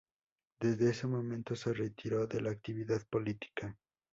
Desde ese momento se retiró de la actividad política.